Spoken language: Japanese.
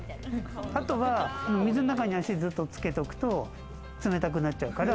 あとは水の中に足をずっとつけておくと冷たくなっちゃうから。